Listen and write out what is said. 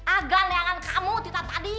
agan yang akan kamu kita tadi